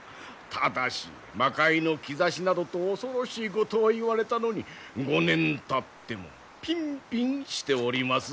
ただし魔界の兆しなどと恐ろしいことを言われたのに５年たってもピンピンしておりますぞ。